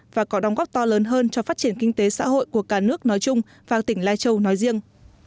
và có đóng góp to lớn hơn cho phát triển kinh tế xã hội của cả nước nói chung và tỉnh lai châu nói riêng